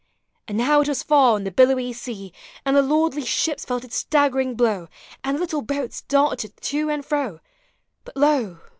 And now it was far on the billowy sea ; And the lordly ships felt its staggering blow, And the little boats darted to and fro :— But lo!